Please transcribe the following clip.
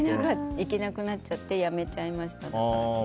行けなくなっちゃって辞めちゃいました。